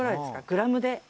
グラムで。